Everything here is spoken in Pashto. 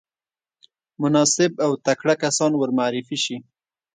مناسب او تکړه کسان ورمعرفي شي.